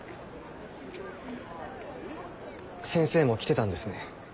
先生も来てたんですね。